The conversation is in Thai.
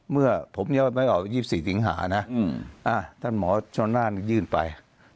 เมื่อผมจะไปออก๒๔สิงหาท่านหมอชนานยื่นไป